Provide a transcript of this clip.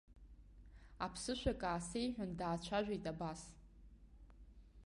Аԥсышәак аасеиҳәан, даацәажәеит абас.